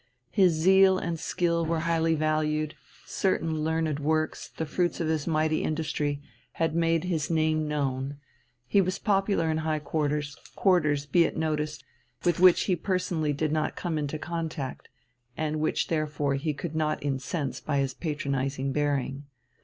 His zeal and skill were highly valued, certain learned works, the fruits of his mighty industry, had made his name known, he was popular in high quarters quarters, be it noticed, with which he personally did not come into contact, and which therefore he could not incense by his patronizing bearing.